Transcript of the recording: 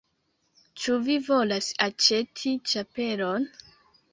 Ĉu vi volas aĉeti ĉapelon?